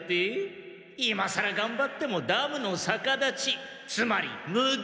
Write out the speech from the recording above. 今さらがんばってもダムのさか立ちつまり「ムダ」！